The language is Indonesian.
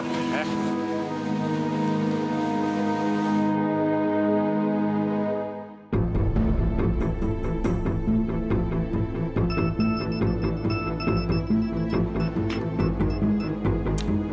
kau mau ngapain